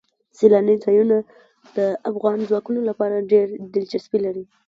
سیلاني ځایونه د افغان ځوانانو لپاره ډېره دلچسپي لري.